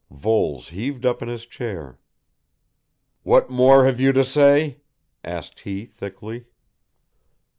Voles heaved up in his chair. "What more have you to say?" asked he thickly.